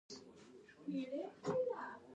زمونږ کور دشرارت شو، افغانی وطن غارت شو